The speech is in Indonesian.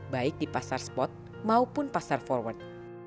baik di pasar spot maupun pasar forward